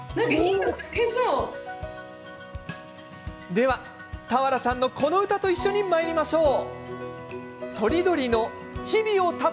では、俵さんの、この歌と一緒にまいりましょう。